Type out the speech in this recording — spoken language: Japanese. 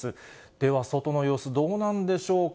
では外の様子、どうなんでしょうか。